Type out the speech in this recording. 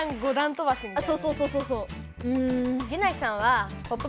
そうそうそうそう！